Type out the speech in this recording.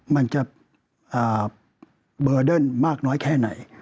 มันจะเบอร์เดิร์นมากน้อยแค่ไหน